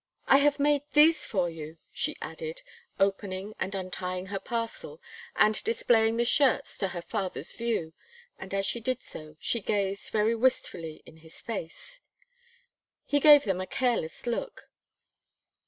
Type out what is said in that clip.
"I have made these for you," she added, opening and untying her parcel; and displaying the shirts to her father's view, and as she did so, she gazed very wistfully in his face. He gave them a careless look.